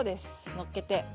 のっけて。